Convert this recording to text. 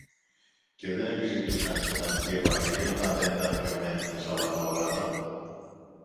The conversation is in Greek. και δεν επιζητούσαν τη σωματική επαφή όταν δεν ήταν πιωμένοι τα Σαββατόβραδα